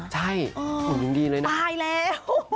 ใช่ยังดีเลยนะตายแล้ว